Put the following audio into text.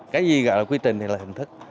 cái gì gọi là quy trình này là hình thức